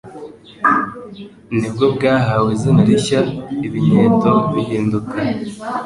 Ni bwo bwahawe izina rishya, Ibinyeto bihinduka